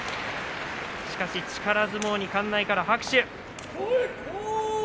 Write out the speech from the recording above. しかし、力相撲に館内から拍手。